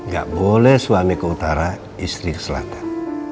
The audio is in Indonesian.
gak boleh suami ke utara istri ke selatan